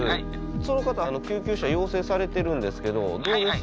その方救急車要請されてるんですけどどうです？